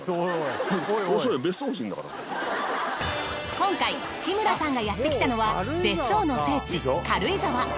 今回日村さんがやってきたのは別荘の聖地軽井沢。